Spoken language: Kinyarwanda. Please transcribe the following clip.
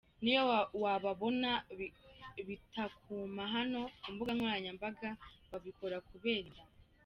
Niyo wababona bitakuma hano ku imbuga nkoranyambaga, babikora kubera inda.